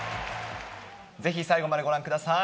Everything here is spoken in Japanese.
ぜひ最後までご覧ください。